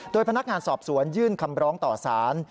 โดยพนักงานสอบสวนยื่นคำร้องต่อสาร